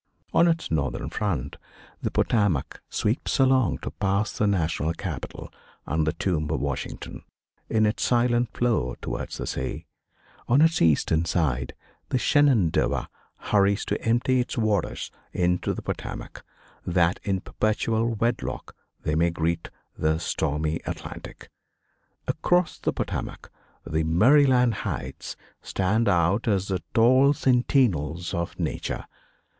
On its northern front the Potomac sweeps along to pass the national capital, and the tomb of Washington, in its silent flow towards the sea. On its eastern side the Shenandoah hurries to empty its waters into the Potomac, that in perpetual wedlock they may greet the stormy Atlantic. Across the Potomac the Maryland Heights stand out as the tall sentinels of Nature.